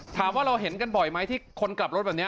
เราเห็นกันบ่อยไหมที่คนกลับรถแบบนี้